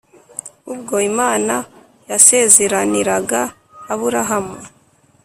Ubwo Imana yasezeraniraga Aburahamu